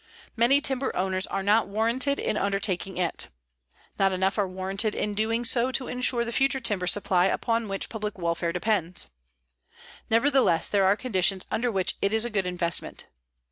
Many timber owners are not warranted in undertaking it. Not enough are warranted in doing so to insure the future timber supply upon which public welfare depends. Nevertheless, there are conditions under which it is a good investment.